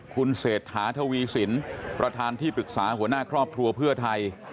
คุณเศรษฐาทวีสินประธานที่ปรึกษาหัวหน้าครอบครัวเพื่อไทย